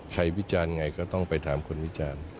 วิจารณ์ไงก็ต้องไปถามคนวิจารณ์